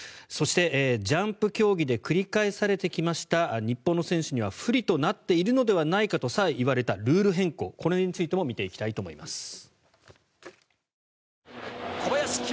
そして、ジャンプ競技で繰り返されてきました日本の選手には不利となっているのではないかとさえ言われたルール変更についても見ていきたいと思います。